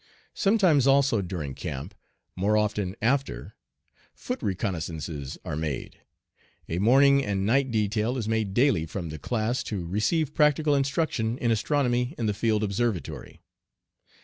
Sometimes also during camp, more often after, foot reconnoissances are made. A morning and night detail is made daily from the class to receive practical instruction in astronomy in the field observatory.